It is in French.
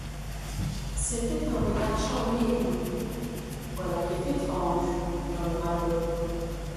C’était un regard charmé et doux. — Voilà qui est étrange! murmura Claude.